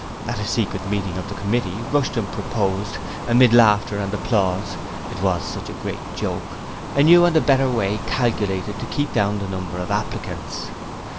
At a secret meeting of the Committee Rushton proposed amid laughter and applause, it was such a good joke a new and better way, calculated to keep down the number of applicants.